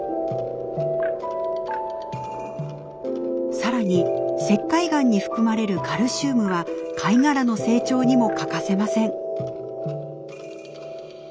さらに石灰岩に含まれるカルシウムは貝殻の成長にも欠かせません。